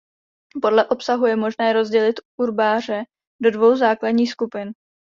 Podle obsahu je možné rozdělit urbáře do dvou základních skupin.